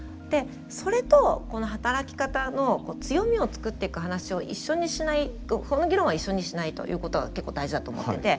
でそれとこの働き方の強みを作っていく話を一緒にしないその議論は一緒にしないということが結構大事だと思ってて。